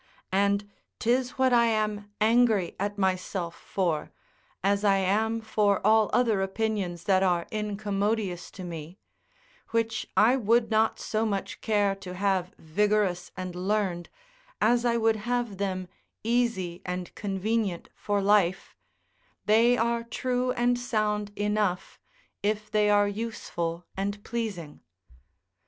And 'tis what I am angry at myself for, as I am for all other opinions that are incommodious to me; which I would not so much care to have vigorous and learned, as I would have them easy and convenient for life, they are true and sound enough, if they are useful and pleasing.